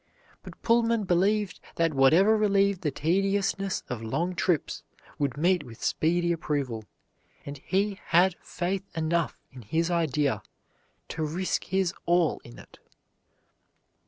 But Pullman believed that whatever relieved the tediousness of long trips would meet with speedy approval, and he had faith enough in his idea to risk his all in it.